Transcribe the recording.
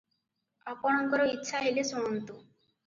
ଆପଣଙ୍କର ଇଚ୍ଛା ହେଲେ ଶୁଣନ୍ତୁ ।